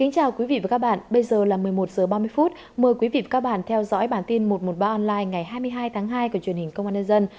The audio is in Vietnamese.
chào mừng quý vị đến với bản tin một trăm một mươi ba online ngày hai mươi hai tháng hai của truyền hình công an nhân dân